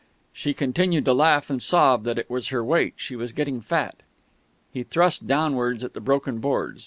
She continued to laugh and sob that it was her weight she was getting fat He thrust downwards at the broken boards.